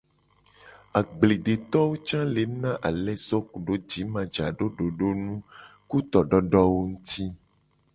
Agbledetowo ca le na ale so kudo jimajaja do dodonu nguti ku tododowo nguti.